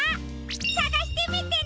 さがしてみてね！